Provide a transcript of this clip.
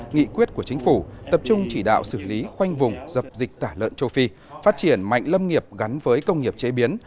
nghị quyết của chính phủ tập trung chỉ đạo xử lý khoanh vùng dập dịch tả lợn châu phi phát triển mạnh lâm nghiệp gắn với công nghiệp chế biến